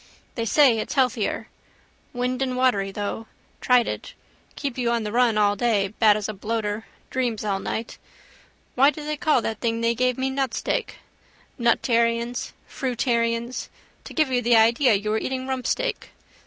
They say it's healthier. Windandwatery though. Tried it. Keep you on the run all day. Bad as a bloater. Dreams all night. Why do they call that thing they gave me nutsteak? Nutarians. Fruitarians. To give you the idea you are eating rumpsteak.